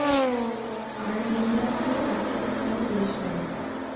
আরমিনীয়ানদের বাস্তবিক কোন দেশ নাই।